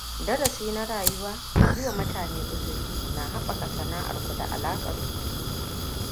Darasi na rayuwa: yiwa mutane uzuri na haɓaka sana'arku da alaƙarku!